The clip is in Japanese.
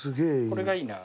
これがいいな。